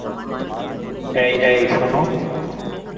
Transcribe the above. এই এই শোনো।